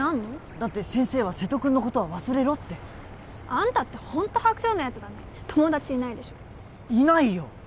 だって先生は瀬戸くんのことは忘れろってあんたってほんと薄情な奴だね友達いないでしょいないよ！